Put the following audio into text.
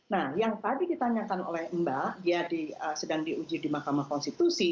nah yang tadi ditanyakan oleh mbak dia sedang diuji di mahkamah konstitusi